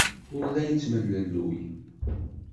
Ur la yettemlelluy.